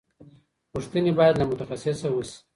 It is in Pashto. پوښتنې باید له متخصص وشي.